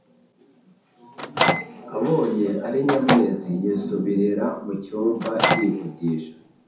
abonye ari Nyamwezi yisubirira mu cyumba yivugisha).